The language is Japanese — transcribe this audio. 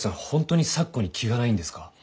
本当に咲子に気がないんですか？